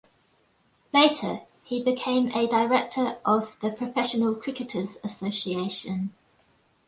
Later, he became a director of the Professional Cricketers' Association.